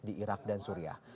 di irak dan suria